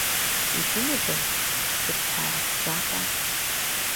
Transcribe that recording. Ибымада зыбҳәа Абжьаҟәа?